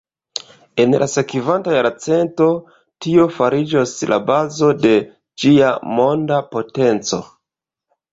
En la sekvanta jarcento, tio fariĝos la bazo de ĝia monda potenco.